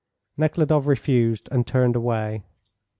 Nekhludoff refused, and turned away.